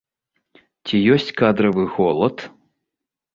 Ці ёсць кадравы голад?